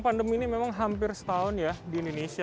pandemi ini memang hampir setahun ya di indonesia